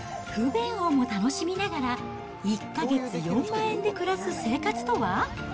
不便をも楽しみながら、１か月４万円で暮らす生活とは？